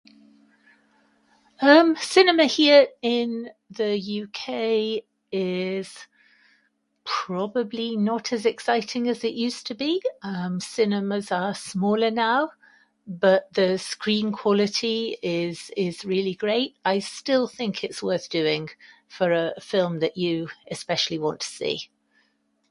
Um, cinema here in the UK is probably not as exciting as it used to be. Um, cinemas are smaller now, but the screen quality is is really great. I still think it's worth doing for a film that you especially want to see.